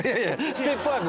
ステップワーク！